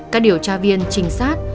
các điều tra viên trinh sát